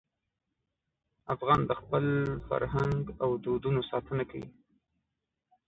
افغان د خپل فرهنګ او دودونو ساتنه کوي.